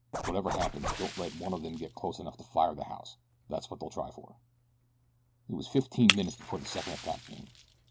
Whatever happens don't let one of them get close enough to fire the house. That's what they'll try for." It was fifteen minutes before the second attack came.